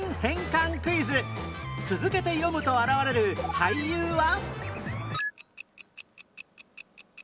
続けて読むと現れる俳優は？